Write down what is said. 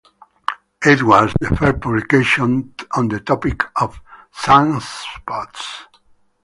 It was the first publication on the topic of sunspots.